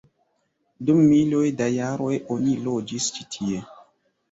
Dum miloj da jaroj oni loĝis ĉi tie.